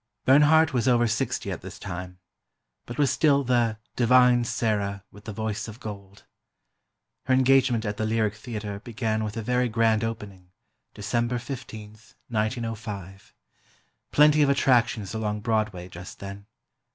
Bernhardt was over sixty at this time, but was still the "divine Sarah, with the voice of gold." Her engagement at the Lyric Theatre began with a very grand opening, December 15, 1905. Plenty of attractions along Broadway, just then.